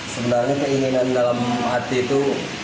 sebenarnya keinginan dalam hati itu